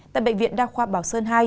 tại bệnh viện đa khoa bảo sơn hai